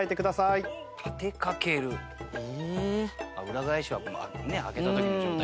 裏返しは開けた時の状態ね。